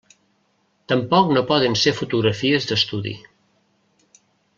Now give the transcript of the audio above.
Tampoc no poden ser fotografies d'estudi.